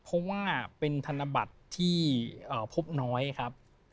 เพราะว่าเป็นธนบัตรที่พบน้อยครับ